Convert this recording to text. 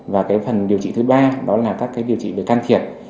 và cái phần điều trị thứ ba đó là các cái điều trị được can thiệp